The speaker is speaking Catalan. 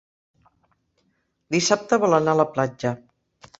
Dissabte vol anar a la platja.